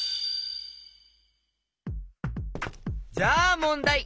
じゃあもんだい！